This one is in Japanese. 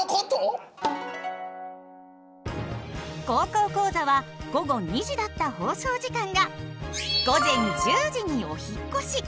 「高校講座」は午後２時だった放送時間が午前１０時にお引っ越し。